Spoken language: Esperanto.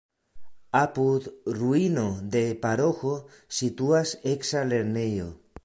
Apud ruino de paroĥo situas eksa lernejo.